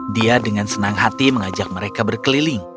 dia dengan senang hati mengajak mereka berkeliling